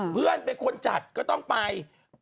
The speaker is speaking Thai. เพื่อนเป็นคนจัดก็ต้องไป